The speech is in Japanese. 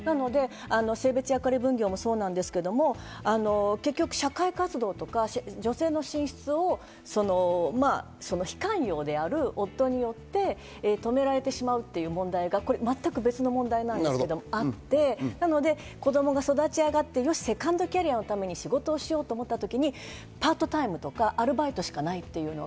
性別役割分業もそうですけど、結局、社会活動とか女性の進出を非寛容である夫によって止められてしまうっていう問題が全く別の問題なんですけど、子供が育ち上がって、セカンドキャリアのために仕事をしようと思った時にパートタイムとかアルバイトしかないっていう。